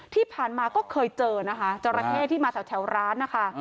ที่ผ่านมาก็เคยเจอนะคะจราเข้ที่มาแถวร้านนะคะ